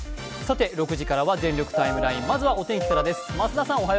６時からは「全力ＴＩＭＥライン」まずはお天気からです。